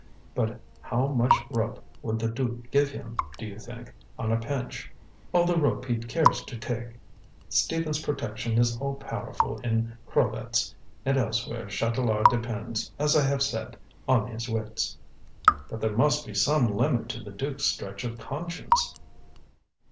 But how much rope would the duke give him, do you think, on a pinch?" "All the rope he cares to take. Stephen's protection is all powerful in Krolvetz; and elsewhere Chatelard depends, as I have said, on his wits." "But there must be some limit to the duke's stretch of conscience!"